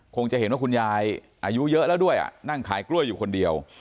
จะเห็นว่าคุณยายอายุเยอะแล้วด้วยนั่งขายกล้วยอยู่คนเดียว